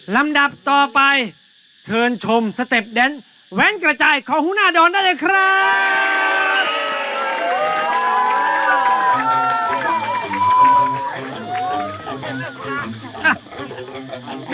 ลำดับต่อไปเชิญชมสเต็ปแดนแว้นกระจายของหัวหน้าดอนได้เลยครับ